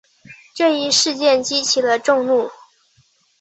这一事件激起了众怒。